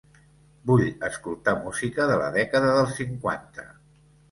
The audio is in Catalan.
Vull escoltar música de la dècada dels cinquanta.